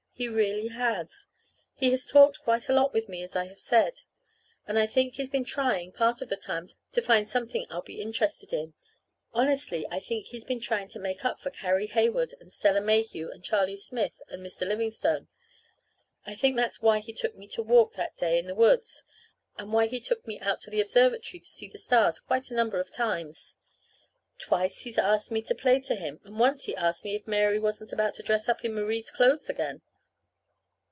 He really has. He has talked quite a lot with me, as I have said, and I think he's been trying, part of the time, to find something I'll be interested in. Honestly, I think he's been trying to make up for Carrie Heywood and Stella Mayhew and Charlie Smith and Mr. Livingstone. I think that's why he took me to walk that day in the woods, and why he took me out to the observatory to see the stars quite a number of times. Twice he's asked me to play to him, and once he asked me if Mary wasn't about ready to dress up in Marie's clothes again.